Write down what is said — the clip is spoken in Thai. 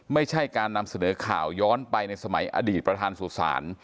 ไม่ใช่การนำเสนอข่าวย้อนไปในสมัยอดีตประธานสุสาน